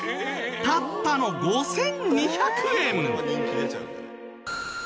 たったの５２００円！